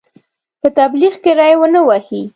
په تبلیغ کې ری ونه وهي.